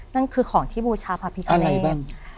นั่นคือของที่บูชาพระพิคเนตอันไหนบ้าง